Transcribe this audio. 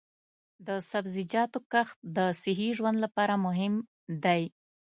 د سبزیجاتو کښت د صحي ژوند لپاره مهم دی.